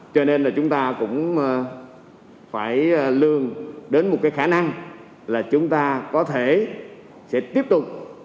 cho nên là chúng ta cũng phải lương đến một cái khả năng là chúng ta có thể sẽ tiếp tục